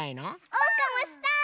おうかもしたい！